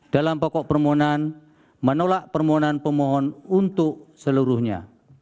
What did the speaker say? dalam pokok permohonan menolak permohonan pemohon untuk seluruhnya